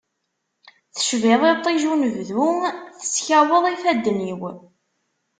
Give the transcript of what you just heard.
Tecbiḍ iṭij unebdu, teskaweḍ ifadden-iw.